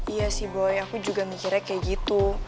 iya sih bahwa aku juga mikirnya kayak gitu